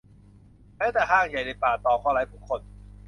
แม้แต่ห้างใหญ่ในป่าตองก็ไร้ผู้คน